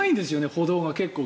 歩道が結構。